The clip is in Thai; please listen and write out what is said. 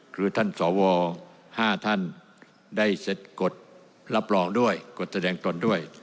คือท่านสว๕ท่านได้เสร็จกฎรับรองด้วยกฎแสดงตนด้วย